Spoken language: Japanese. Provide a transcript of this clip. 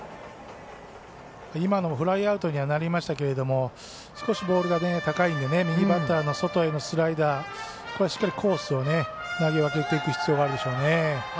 今のもフライアウトにはなりましたけど少しボールが高いので右バッターの外へのスライダーしっかりコースを投げ分けていく必要があるでしょうね。